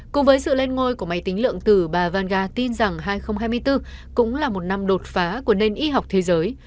cùng với sự lên ngôi của máy tính lượng tử bà vanga tin rằng hai nghìn hai mươi bốn cũng là một năm đột phá của nền y học thế giới